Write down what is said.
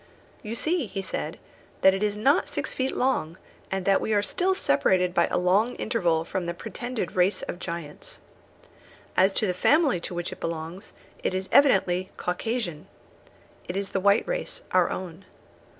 "You see," he said, "that it is not six feet long, and that we are still separated by a long interval from the pretended race of giants. As for the family to which it belongs, it is evidently Caucasian. It is the white race, our own.